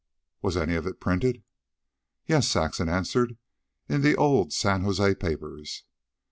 "Was any of it printed?" "Yes," Saxon answered. "In the old San Jose papers."